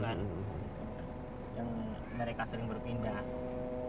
yang mereka sering berpindah